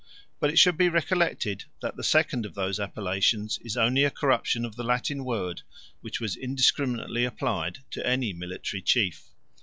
But it should be recollected, that the second of those appellations is only a corruption of the Latin word, which was indiscriminately applied to any military chief.